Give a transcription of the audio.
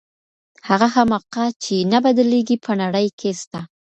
هغه حماقت چي نه بدلیږي په نړۍ کي سته.